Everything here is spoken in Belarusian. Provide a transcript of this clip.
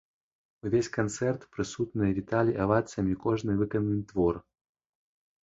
Увесь канцэрт прысутныя віталі авацыямі кожны выкананы твор.